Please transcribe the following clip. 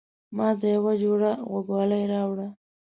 ماته يوه جوړه غوږوالۍ راوړه